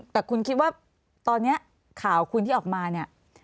แต่คุณคิดว่าตอนนี้ข่าวคุณที่ออกมาเนี่ย